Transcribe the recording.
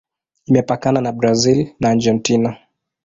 Imepakana na Brazil na Argentina.